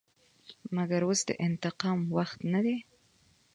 مګر اوس د انتقام وخت نه دى.